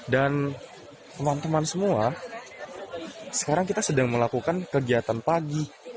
dan teman teman semua sekarang kita sedang melakukan kegiatan pagi